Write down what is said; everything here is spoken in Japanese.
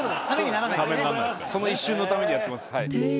その一瞬のためにやってます。